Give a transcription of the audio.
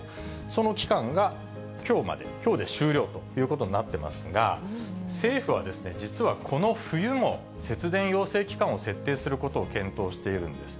その期間がきょうまで、きょうで終了ということになってますが、政府は実はこの冬も、節電要請期間を設定することを検討しているんです。